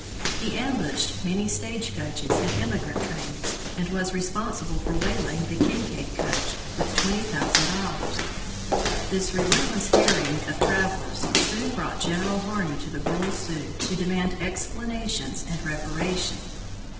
He ambushed many stagecoaches and emigrant trains, and was responsible for waylaying the Kincaid coach with twenty thousand dollars. This relentless harrying of travelers soon brought General Harney to the Brule Sioux to demand explanations and reparation.